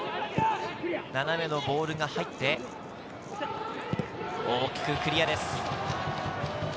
斜めのボールが入って、大きくクリアです。